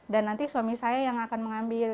dan nanti suami saya yang akan mengambil